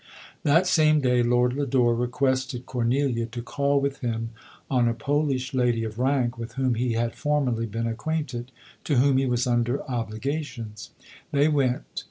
That same day Lord Lodore requested Cor nelia to call with him on a Polish lady of rank, with whom he had formerly been acquainted, to whom he was under obligations. They went.